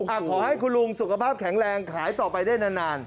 ขอให้คุณลุงสุขภาพแข็งแรงขายต่อไปได้นานนาน